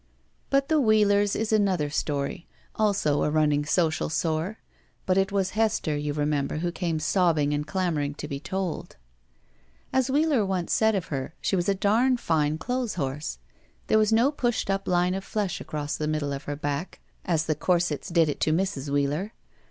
But the Wheelers' is another story, also a running 68 BACK PAY social sore; but it was Hester, you remember, who came sobbing and clamoring to be told. As Wheeler once said of her, she was a dam fine clothes horse. There was no pushed up line of flesh across the middle of her back, as the corsets did it to Mrs. Wheeler.